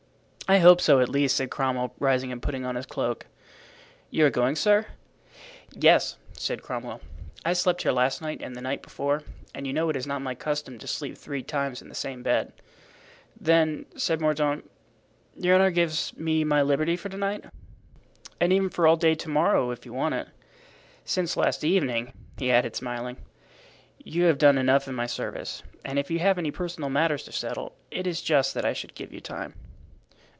"I hope so, at least," said Cromwell, rising and putting on his cloak. "You are going, sir?" "Yes," said Cromwell. "I slept here last night and the night before, and you know it is not my custom to sleep three times in the same bed." "Then," said Mordaunt, "your honor gives me my liberty for to night?" "And even for all day to morrow, if you want it. Since last evening," he added, smiling, "you have done enough in my service, and if you have any personal matters to settle it is just that I should give you time."